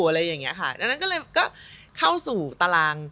อะไรอย่างนี้ค่ะ